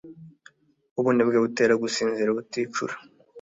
Ubunebwe butera gusinzira ubuticura